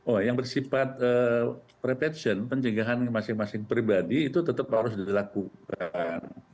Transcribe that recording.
oh yang bersifat repection pencegahan masing masing pribadi itu tetap harus dilakukan